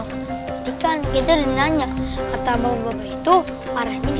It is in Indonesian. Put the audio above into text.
jadi kan kita udah nanya kata bapak bapak itu arahnya di sini